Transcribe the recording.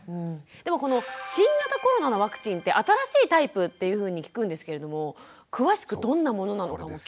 でもこの新型コロナのワクチンって新しいタイプっていうふうに聞くんですけれども詳しくどんなものなのかも聞いていいですか？